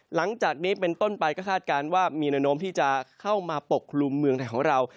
หลังจากนี้เป็นต้นไปก็คาดการณ์ว่ามีแนวโน้มที่จะเข้ามาปกคลุมเมืองไทยของเรา